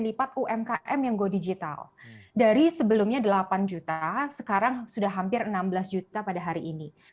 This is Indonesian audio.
lipat umkm yang go digital dari sebelumnya delapan juta sekarang sudah hampir enam belas juta pada hari ini